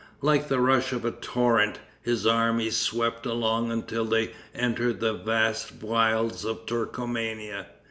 Like the rush of a torrent, his armies swept along until they entered the vast wilds of Turkomania.